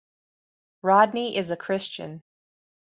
Rodney is a Christian.